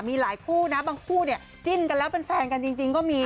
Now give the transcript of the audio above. มีหลายคู่นะบางคู่เนี่ยจิ้นกันแล้วเป็นแฟนกันจริงก็มี